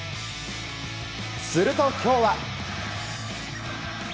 すると今日は。